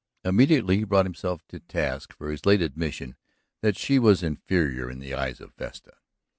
Immediately he brought himself to task for his late admission that she was inferior in the eyes to Vesta.